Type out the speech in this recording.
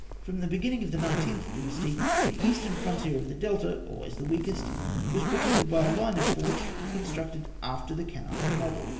From the beginning of the Nineteenth Dynasty, the eastern frontier of the Delta (always the weakest) was protected by a line of forts constructed after the Canaanite model.